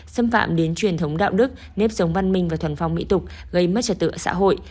xâm phạm đến truyền thống đạo đức nếp sống văn minh và thuần phong mỹ tục gây mất trật tựa xã hội